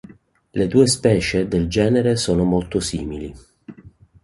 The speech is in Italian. Le due specie del genere sono molto simili.